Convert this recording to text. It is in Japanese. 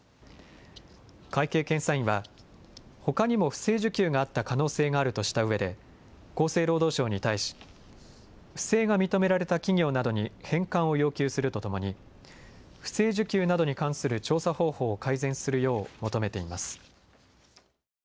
会計検査院は、ほかにも不正受給があった可能性があるとしたうえで厚生労働省に対し不正が認められた企業などに返還を要求するとともに不正受給などに関する調査方法を改善するよう求めています。